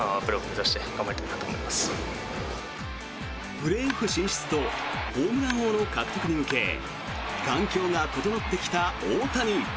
プレーオフ進出とホームラン王の獲得に向け環境が整ってきた大谷。